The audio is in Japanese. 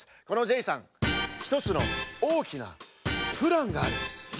このジェイさんひとつのおおきなプランがあるんです。